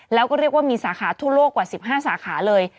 แล้วก็เรียกว่ามีสาขาทั่วโลกกว่า๑๕สาขาเลย